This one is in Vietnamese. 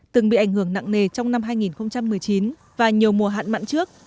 từng bị ảnh hưởng nặng nề trong năm hai nghìn một mươi chín và nhiều mùa hạn mặn trước